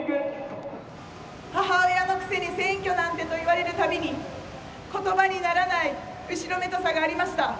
「母親のくせに選挙なんて」と言われるたびに言葉にならない後ろめたさがありました。